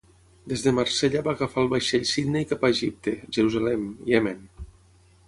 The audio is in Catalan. Des de Marsella va agafar el vaixell Sidney cap a Egipte, Jerusalem, Iemen.